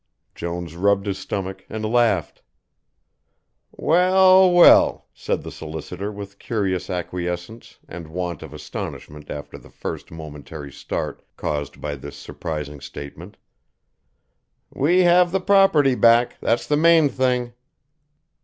Jones rubbed his stomach and laughed. "Well, well," said the solicitor with curious acquiescence and want of astonishment after the first momentary start caused by this surprising statement, "we have the property back, that's the main thing."